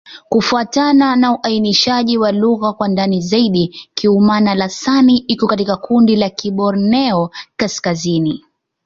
Kufuatana na uainishaji wa lugha kwa ndani zaidi, Kiuma'-Lasan iko katika kundi la Kiborneo-Kaskazini.